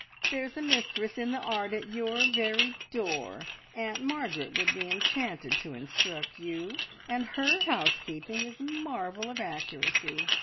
"There is a mistress in the art at your very door! Aunt Margaret would be enchanted to instruct you, and her housekeeping is a marvel of accuracy.